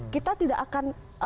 kita tidak akan